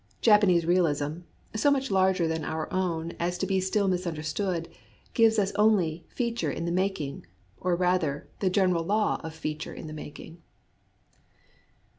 Japanese realism, so much larger than our own as to be still misunderstood, gives us only "feature in the making," or rather, the general law of feature in the making.